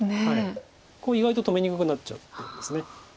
ここ意外と止めにくくなっちゃうってことです。